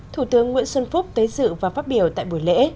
thủ tướng nguyễn xuân phúc tới dự và phát biểu tại buổi lễ